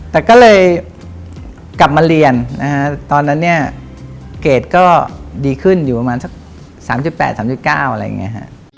แต่ก็เลยกลับมาเรียนตอนนั้นเกรดก็ดีขึ้นอยู่ประมาณ๓๘๓๙อะไรอย่างนี้